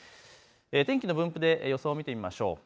天気の分布で予想を見てみましょう。